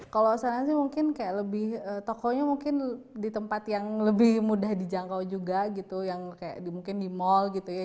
kalau sana sih mungkin kayak lebih tokonya mungkin di tempat yang lebih mudah dijangkau juga gitu yang kayak mungkin di mall gitu ya